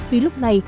vì lúc này